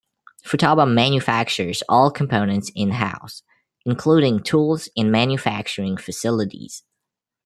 Futaba manufactures all components in-house, including tools and manufacturing facilities.